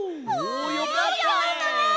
およかった！